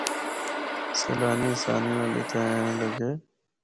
سیلانی آسانی نال اِتھا اینڑ لگے۔